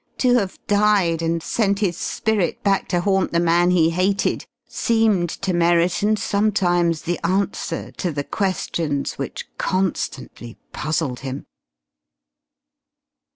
To have died and sent his spirit back to haunt the man he hated seemed to Merriton sometimes the answer to the questions which constantly puzzled him.